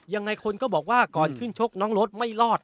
ยังไงคนก็บอกว่าก่อนขึ้นชกน้องรถไม่รอด